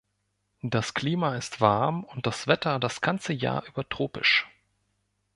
Das Klima ist warm und das Wetter das ganze Jahr über tropisch.